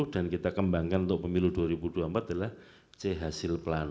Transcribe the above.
dan kita kembangkan untuk pemilu dua ribu dua puluh empat adalah c hasil pelan